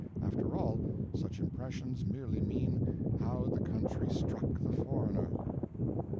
After all, such impressions merely mean 'how the country struck the foreigner.'"